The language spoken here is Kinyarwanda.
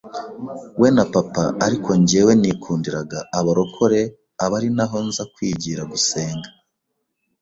we na papa ariko njyewe nikundiraga abarokore aba ari naho nza kwigira gusenga